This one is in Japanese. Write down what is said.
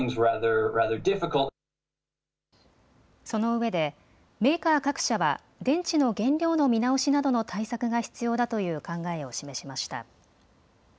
そのうえでメーカー各社は電池の原料の見直しなどの対策が必要だという考えを示しました。